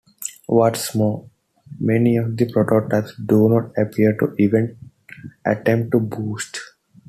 What's more, many of the prototypes do not appear to even attempt to boot.